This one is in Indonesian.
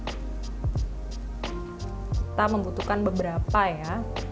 kita membutuhkan beberapa ya